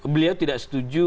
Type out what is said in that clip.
beliau tidak setuju